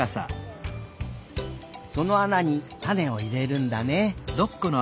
そのあなにたねをいれるんだね。